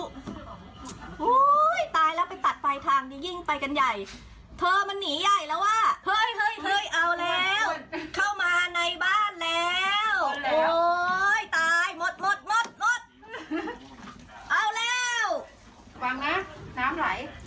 เธอมันเข้ามาในบ้านแล้วทั้งตัว